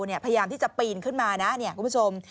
พยายามที่จะปีนขึ้นมานะเนี่ยพระคุณผู้ชม